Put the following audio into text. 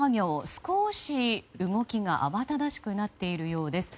少し動きが慌ただしくなっているようです。